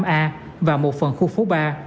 năm năm a và một phần khu phố ba